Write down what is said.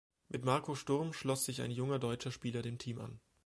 Mit Marco Sturm schloss sich ein junger deutscher Spieler dem Team an.